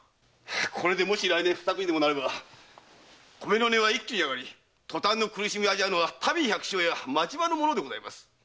これでもし来年不作になれば米の値は一気に上がり塗炭の苦しみを味わうのは民百姓や町場の者でございます。